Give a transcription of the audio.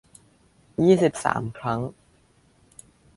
ยี่สิบสาม ครั้ง